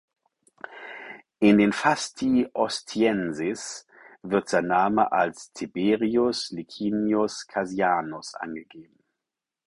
In den Fasti Ostienses wird sein Name als Tiberius Licinius Cassianus angegeben.